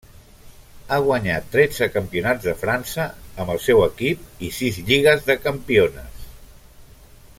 Ha guanyat tretze campionats de França amb el seu equip i sis lligues de campiones.